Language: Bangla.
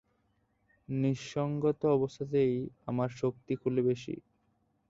নিঃসঙ্গ অবস্থাতেই আমার শক্তি খোলে বেশী।